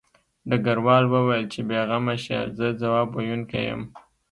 ډګروال وویل چې بې غمه شه زه ځواب ویونکی یم